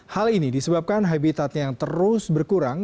hal ini disebabkan habitatnya yang terus berkurang